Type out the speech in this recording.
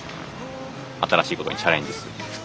新しいことにチャレンジする。